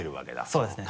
そうですね。